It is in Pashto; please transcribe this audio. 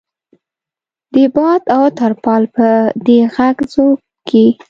د باد او ترپال په دې غږ ځوږ کې.